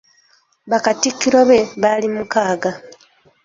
Bakatikkiro be baali mukaaga.